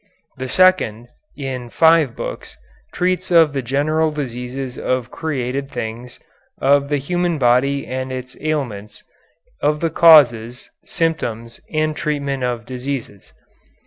The second, in five books, treats of the general diseases of created things, of the human body and its ailments, of the causes, symptoms, and treatment of diseases.